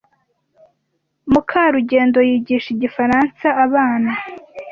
Mukarugendo yigisha igifaransa abana.